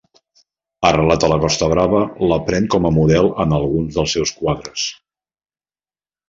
Arrelat a la Costa Brava, la pren com a model en alguns dels seus quadres.